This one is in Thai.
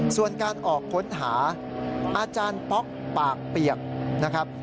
ส่วนการออกค้นหาอาจารย์ป๊อกปากเปียกนะครับ